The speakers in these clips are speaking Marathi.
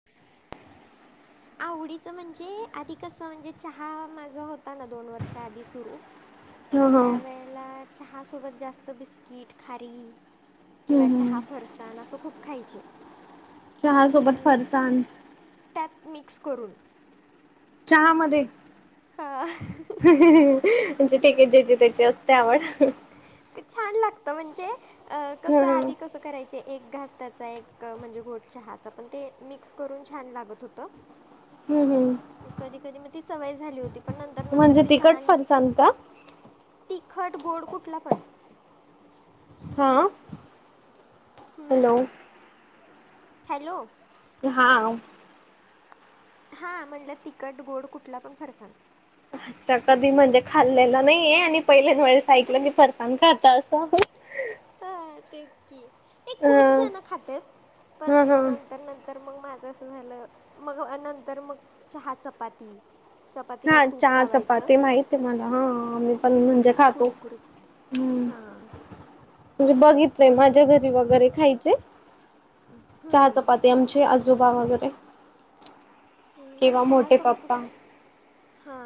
[inaudible] आवडीचं म्हणजे आधी कसं म्हणजे चहा माझा होता ना दोन वर्ष आधी सुरू. ह ह हम्म त्यावेेळेला चहा सोबत जास्त बिस्किट खारी. किंवा चहा हम्म फरसाणा असं खूप खायचे पण चहा नंतर सोबत न. फरसाण त्यांत मिक्स करून. चहा मध्ये हा म्हणजे ठिके आहे ज्याची त्याची असते आवड. ते छान लागत म्हणजे अ ह कसं हम्म आधी कसं करायच. ते एक घास त्याचा एक म्हणजे गोड चहाचा पण ते मिक्स करून छान लागत होतं. [inaudible] हम्म हम्म. मग कधी कधी मग ती सवय झाली होती. पण नंतर नंतर म्हणजे ते तिखट चहानी. फरसाण का तिखंट गोड कुठला पण. हा हॅलो हम्म हॅलो हा हा म्हणलं तिखट गोड कुठला पण फरसाना अच्छा कधी म्हणजे खाल्लेला नईये आणि पहिलेच म्हणजे साइटल मी फरसाना खात असं. हा तेच की हे खूप अ जण खातेत. पण हा हा नंतर नंतर- तर मग माझं अस झालं. मग नंतर मग चहा चपाती. चपातीला हा तूप चहा लावायचं. चपाती माहित आहे मला हा मी पण हम्म म्हणजे मग ते खातो कुरकुरीत- हम्म ह म्हणजे बघितलंय माझ्या घरी वगैरे खायचे चहा हम्म चपा - ते आमचे आजोबा वगैरे. हम् नइ किंवा चहा मोठे सोबत तूप पप्पा हा.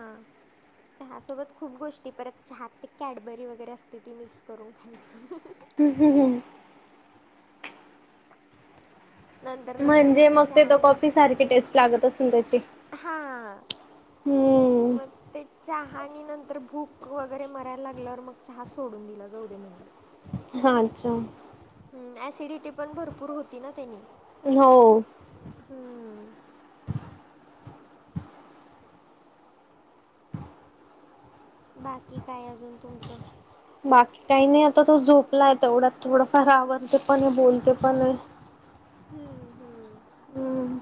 चहा सोबत खूप गोष्टी परत चहात ते कॅडबरी वगैरे असते ती मिक्स करून खायचं. ह नंतर नंतर म्हणजे मग ते चहा त आणि कॉफी सारखी टेस्ट लागत असल त्याची. हा हम्म मग ते चहा आणि नंतर भूक वगैरे मरायला लागल्यावर मग चहा सोडून दिला जाऊ दे म्हणलं. हा अच्छा. हम ऍसिडिटी पण भरपूर होती ना त्यांनी. हो हो हम्म बाकी काय अजून तुमचं? बाकी काय नई आता तो झोपलाय तेवढ्यात थोडंफार आवरते पण बोलते पण हाय हम्म हम्म हम्म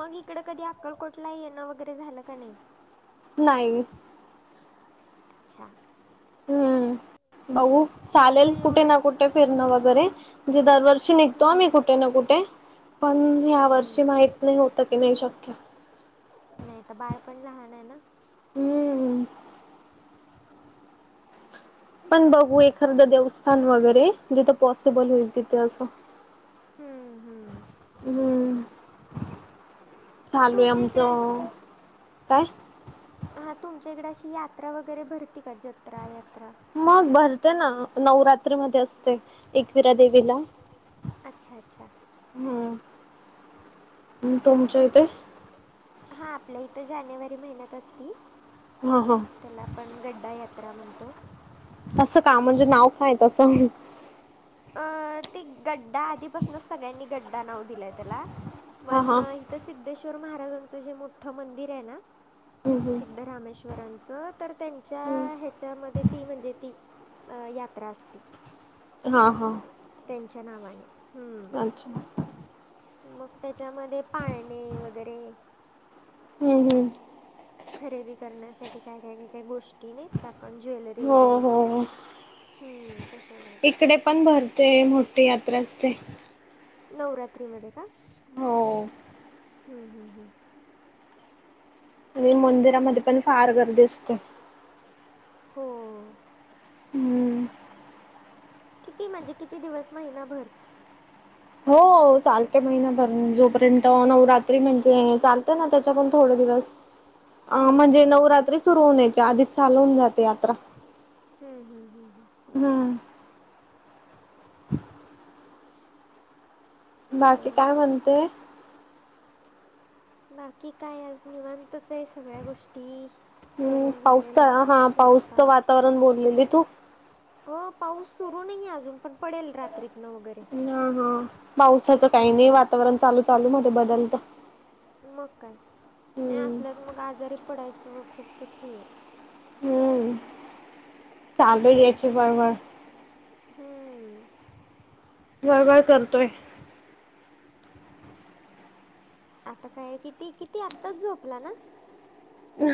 मग इकडं कधी अक्कलकोटला येणं वगैरे झालं का नई? नाई अच्छा. हम्म बघु. मग असं चालेल कुठे एवढं ना कुठे फिरणं वगैरे म्हणजे दरवर्षी निघतो आम्ही हम्म कुठे ना कुठे. पण ह्या हम्म वर्षी हम्म. माहित नई होतं की नाही शक्य. नाही तर बाळ पण लहान आहे ना, हम्म, पण बघू एखाद देवस्थान वगैरे, जिथं पॉसिबल होईल तिथे अस. हम्म हम्म, चालू आहे. तुमच्या इकडे आमचं अशी काय? हा, तुमच्या इकडे अशी यात्रा वगैरे भरती का जत्रा- यात्रा. मग भरते ना, नवरात्री मध्ये असते. एकविरा देवीला. अच्छा अच्छा, हम्म, तुमच्या इथे? हा, आपल्या इथं जानेवारी महिन्यात असती. हो हो, त्याला आपण गड्डा यात्रा म्हणतो. तस का म्हणजे नाव काय तस अ, ते गड्डा आधी पासून सगळ्यांनी गड्डा नाव दिलंय. त्याला हा पण हा इथे सिद्धेश्वर महाराजाचं जे मोठ मंदिर आहे ना, हम्म सिद्धरामेश्वरांचं. तर त्यांच्या हम्म ह्याच्यामध्ये ती म्हणजे ती यात्रा असती. हा हा, त्याच्या नावाने हम, अच्छा मग त्याच्यामध्ये पाळणे वगैरे, हम्म हम्म, खरेदी करण्यासाठी काय- काय -काय, गोष्टी ते नाही का आपण ज्वेलरी हो वगैरे. हो हम्म, तशामध्ये इकडे पण भरते, मोठी यात्रा असते. नवरात्रीमध्ये का? हो हम हम हम्म, आणि मंदिरामध्ये पण फार गर्दी असते. हो, हम्म, किती म्हणजे किती दिवस महिनाभर. हो, चालते. महिनाभर जोपर्यंत नवरात्री म्हणजे चालते. ना, अजून थोड दिवस. अ, हम्म म्हणजे हम्म हम्म नवरात्री सुरु होण्याच्या आधीच चालू होऊन जाते यात्रा. हम्म हम्म हम्म हम, हा, हम्म बर बाकी काय बर म्हणतोय. बाकी काय आज निवांतच आहे. सगळ्या गोष्टी. हम्म करून पाऊसचा झालेल्या हा पाऊसचं स्वयंपाक हे, वातावरण बोललेली तू. हो पाऊस सुरू नाहीे. अजून पण पडेल रात्रीत. हा हा, पावसाचं काही नाही. हम्म वातावरण चालू चालू मध्ये बदलत. मग काय नाही. हम्म असल्यात मग आजारी पडायचं खूपच हे हम्म चालू याची बडबड हम्म, घर भर करतोय. आता काय? किती किती आत्ताच झोपला ना,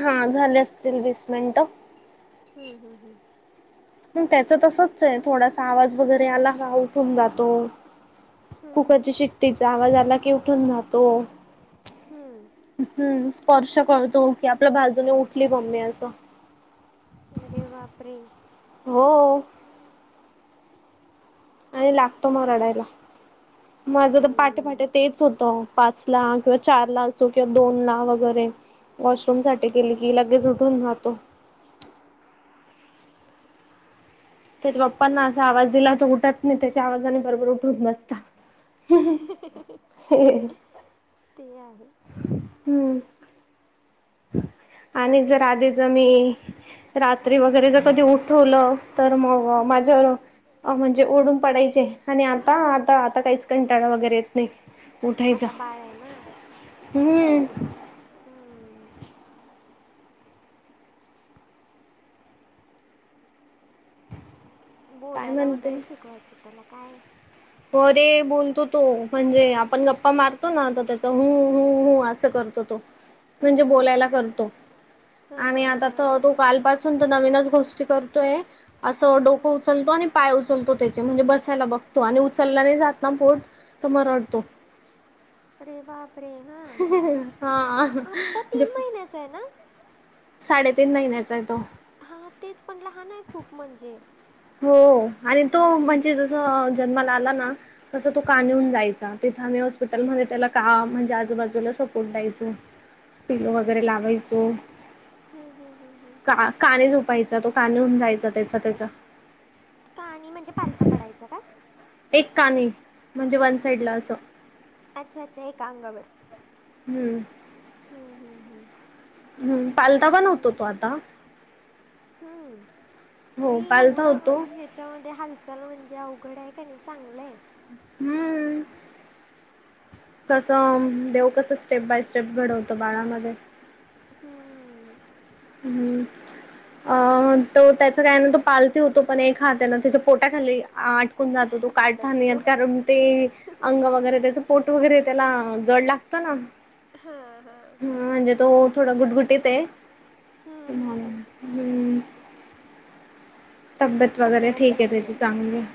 हा झाले असतील वीस मिनट. हम्म हम हम, त्याच तसच आय थोडासा आवाज वगैरे आला का उठून जातो. हम्म कुकरची हम्म शिट्टीचा आवाज आला की उठून जातो. हम्म हम्म स्पर्श कळतो की आपल्या बाजूने उठली मम्मी असं. अरे बापरे. हो. आणि लागतो म रडायला. [inaudible] माझं तर पाटेपाटे हम्म. तेच होतं पाच ला किंवा चार ला असो किंवा दोन ला वगैरे वॉशरूम साठी हम्म, गेली हम्म. की लगेच उठून राहातो. त्याचे पप्पा ना असा आवाज दिला तो उठत नाय त्याच्या आवाजाने बरोबर उठून बसता. [unintelligible] [unintelligible] ते आहे. हम्म. आणि जर आधीज मी रात्री वगैरे जर कधी उठवलं तर मग हम्म. माझ्यावर अ म्हणजे ओढून पडायचे आणि आता आता आता काहीच कंटाळा वगैरे येत नाय. उठाय आता बाळ ए ना. हम्म. हम्म. काय बोलायला म्हणते वगैरे शिकवायचं त्याला काय. अरे बोलतो तो म्हणजे आपण हम्म. गप्पा मारतो ना तर त्याच हम् हम् अस करतो तो म्हणजे बोलायला करतो. हा आणि आता तर हा. तो कालपासून तर नवीनच गोष्टी करतोय. असं हम्म. डोकं उचलतो आणि पाय उचलतो त्याचे म्हणजे बसायला बघतो आणि चललं जात नाय ना पोट तर म रडतो. अरे बाप हा जे असय ना? साडेतीन महिन्याचा आय तो. हा तेच पण लहान आय खूप म्हणजे. हो आणि हम्म. तो म्हणजे जस जन्माला आला ना तस तो कानवून जायचा. तिथं आम्ही हॉस्पिटलमध्ये त्याला काम म्हणजे आजूबाजूला सपोर्ट द्यायचो. पिलो वगैरे लावायचो. हम्म हम् हम् हम्. का -काने झोपायचं तो काने होऊन जायचा त्याचा त्याचा. कानी म्हणजे पालता पडायचं का? एक कानी म्हणजे वन साईड ला असं. अच्छा अच्छा एक अंगावर. हम्म. हम्म हम् हम्. हम्म, पालता पण होतो तो आत्ता? हम्म, अ हो पालता एवढं होतो हे चौदे हालचाल म्हणजे अवघड आहे का नाही चांगलंय. हम्म, तसंम देव कसं स्टेप बाय स्टेप घडवतो बाळामध्ये हम, हम्, अ तो त्याच असं काही नाही तो पालथी होतो पण एक हातना त्याच्या पोटाखाली आटकून जातो तो काढता नाही येत अडकतो कारण ते अंग वगैरे त्याच पोट वगैरे त्याला जड लागतं ना, हा हा, हा म्हणजे तो थोडा गुटगुटीत आहे. हम्म, ते तब्येत वगैरे कसरत ठीक आहे लई त्याची चांगली आहे.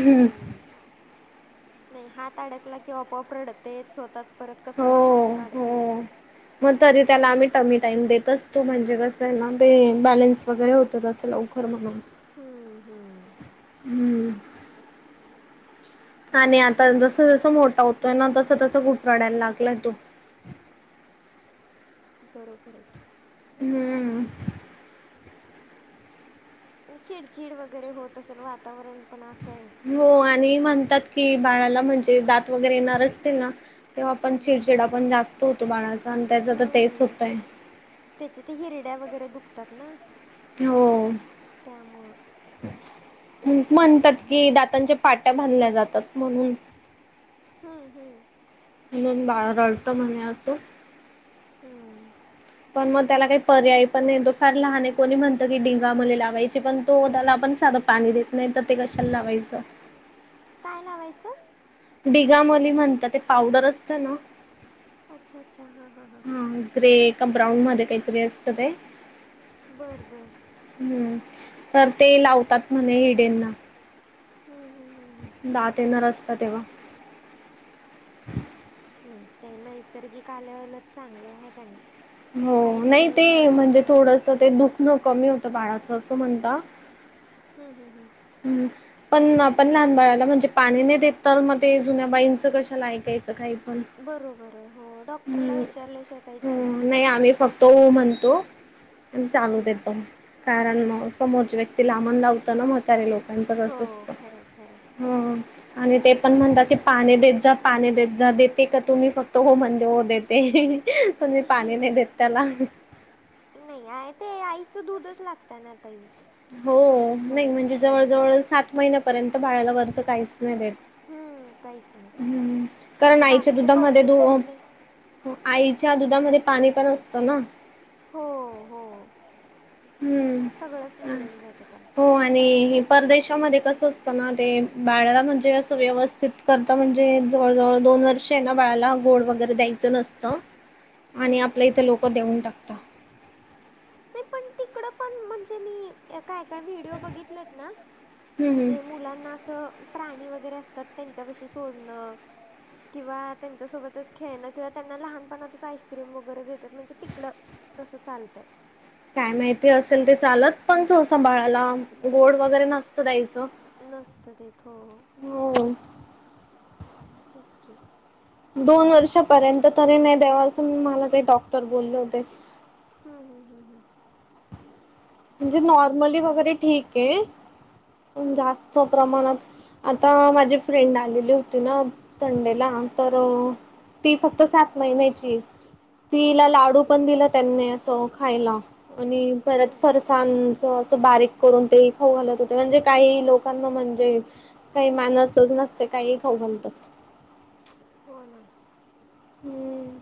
हम्म नाही हात अडकला कि अपोआप रडते स्वतःच परत हो कसरत करून हो काढते मग तरी त्याला आम्ही टमी टाईम देतस तो म्हणजे कसं आहे ना ते बॅलेन्स वगैरे होत तसं लवकर म्हणून हम्म हम्म, हम्म, आणि आता जस जसं मोठा होतोय ना तस तसं खुप रडायला लागलंय तो. बरोबर आहे की. हम्म, चिडचिड वगैरे होत असल वातावरण पण असं आहे. हो आणि म्हणतात की बाळाला म्हणजे दात वगैरे येणार असतील ना तेव्हा आपण हम्म हम्म चिडचिडा पण जास्त होतो बाळाचा आणि त्याच तर तेच हम्म. होतंय. त्याचे ते हिरड्या वगैरे दुखतात ना हो. त्यामुळं म्हणतात की दातांच्या पाट्या भधल्या जातात म्हणून ह हम, म्हणून बाळ रडतो म्हणे असं हम्म, पण मग त्याला काही पर्याय पण नाहीे तो फार लहान कोणी म्हणत की डिगा मले लावायची पण तो ओठाला पण साधं पाणी देत नाही तर ते कशाला लावायचं. काय लावायचं. डिगामली म्हणतात ते पावडर असतं ना अच्छा अच्छा हां हां हां हा ग्रे का ब्राऊन मध्ये काहीतरी असतं ते बरं बरं, हम्म, तर ते लावतात म्हणे हिडेंना. हम् हम हम हम्, दात येणार असतं तेव्हा नाही ते नैसर्गिक आल्यावलच चांगले आहे आहे का नाही. व हो नाही काहीतरी ते उपाय म्हणजे करण्यापेक्षा थोडस ते दुखन कमी होतं बाळाचं असं म्हणता. हम् हम हं, हम्म, पणंप पण लहान बाळाला म्हणजे पाणी नाही देत तर मग ते जुन्या बाईचं कशाला ऐकायचं काही पण बरोबर आहे. हो डॉक्टरला हम्म. विचारल्याशिवाय काहीच नाही. हम्म नाही आम्ही फक्त तो म्हंतो आणि चालू हम्म. देत, कारण समोरच्या व्यक्ती लांबण लावतं ना, म्हतारे लोक त्यांचं हो कसं असतं. खरंय खरंय हम्म आणि ते पण म्हणतात की पाणी देत जा, पाणी देत जा. देते का तुम्ही? फक्त हो म्हणल्यावर देते ते. कोणी पाणी नाही देत त्याला. नाही आहे ते. आईचं दूधच लागत ना ताई. हो. अजून नाही थोडे म्हणजे मो जवळ महिने जवळ सात महिन्यापर्यंत बाळाला वरच काहीच नाही देत. हम्म काहीच नाही [inaudible] हम्म. कारण ते आईच्या बाकीचे दुधामध्ये दो परदेशातले हो. आईच्या दुधामध्ये पाणी पण असतं ना. हो हो. हम्म. सगळंच मिळून जातं त्याला [inaudible] हो आणि हे परदेशामध्ये कस असतं ना, ते बाळला म्हणजे असं व्यवस्थित करता म्हणजे जवळ जवळ दोन वर्ष वर्षे ना बाळाला गोड वगैरे द्यायचं नसतं. [inaudible] आणि आपल्या इथं लोक देऊन टाकतात. नाही पण तिकडं, पण म्हणजे मी एका एका व्हिडिओ बघितलेत ना, हम्म हम्म म्हणजे मुलांना असं प्राणी वगैरे असतात, त्यांच्यापाशी सोडणं किंवा त्यांच्यासोबतच खेळणं किंवा त्यांना लहानपणातच आईस्क्रीम वगैरे देत तात. म्हणजे तिकडं तसं चालतंय. काय माहिती असेल ते चालत. पण सोसा बाळाला गोड वगैरे नसत द्यायचं. नसतं देत हो [inaudible] हो. तेच की. दोन वर्षापर्यंत तरी नाही देवा, असं मला ते डॉक्टर बोलले होते. हम् हम हम हं. म्हणजे नॉर्मली वगैरे ठीके. हम्म जास्त प्रमाणात. आता माझी फ्रेंड आलेली होते ना संडेला. तर ती फक्त सात महिन्याची तिला हम्म लाडू पण दिला त्यांनी असं खायला. आणि परत हम्म हम्म. फरसाण च असं बारीक करून ते खाऊ घालत होते. म्हणजे काही लोकांना म्हणजे काही मॅनर्स च नसते. काहीही खाऊ घालतात. [inaudible] हो ना. हम्म.